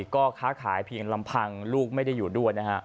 ก็ค้าขายเพียงลำพังลูกไม่ได้อยู่ด้วยนะฮะ